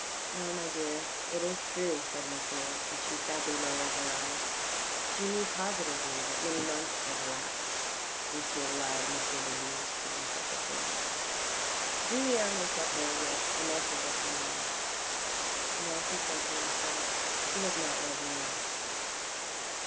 "Well, my dear, it is true," said Mathilde, as she sadly lowered her eyes. She knew positively that many months had elapsed since she had allowed M. de Luz to do such a thing. Julien looked at her with ineffable tenderness, " No," he said to himself, " she does not love me less."